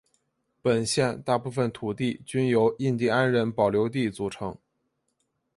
本县大部份土地均由印第安人保留地组成。